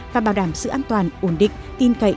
và bảo đảm sự an toàn ổn định tin cậy